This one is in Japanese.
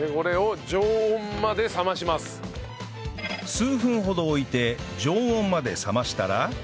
数分ほど置いて常温まで冷ましたら